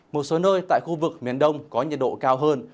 một số nơi tại khu vực miền đông có nhiệt độ cao hơn